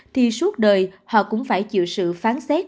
thì suốt đời họ cũng phải chịu sự phán xét